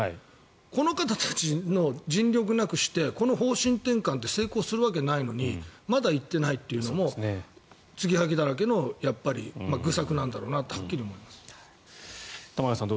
この方たちの尽力なくしてこの方針転換って成功するわけないのにまだ行っていないというのもつぎはぎだらけの愚策なんだろうなとはっきり思います。